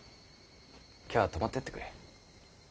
今日は泊まってってくれ。